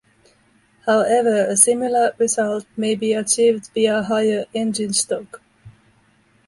However a similar result may be achieved via higher engine stoke.